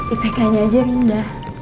ipknya aja rindah